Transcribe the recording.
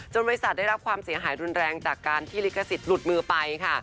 บริษัทได้รับความเสียหายรุนแรงจากการที่ลิขสิทธิ์หลุดมือไปค่ะ